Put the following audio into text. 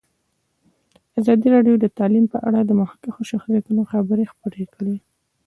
ازادي راډیو د تعلیم په اړه د مخکښو شخصیتونو خبرې خپرې کړي.